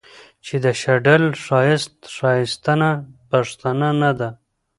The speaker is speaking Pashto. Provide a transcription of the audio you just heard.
چې د شډل ښايست څښتنه پښتنه نه ده